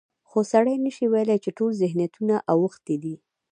خو سړی نشي ویلی چې ټول ذهنیتونه اوښتي دي.